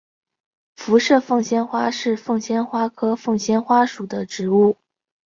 辐射凤仙花是凤仙花科凤仙花属的植物。